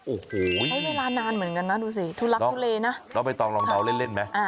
โอ้โฮนานเหมือนกันนะดูสิทุลักษณ์ทุเลนะเราไม่ต้องลองเถาเล่นไหม